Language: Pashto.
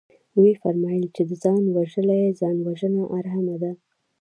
ويې فرمايل چې ده ځان وژلى ځانوژنه حرامه ده.